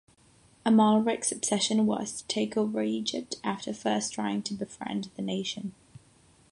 Amalric's obsession was to take over Egypt, after first trying to befriend the nation.